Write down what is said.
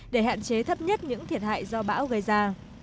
để hạn chế thấp nhất những thiệt hại do bão gây ra